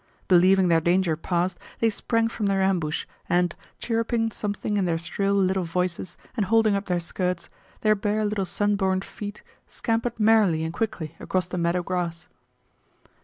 Believing their danger past, they sprang from their ambush and, chirruping something in their shrill little voices and holding up their skirts, their bare little sunburned feet scampered merrily and quickly across the meadow grass.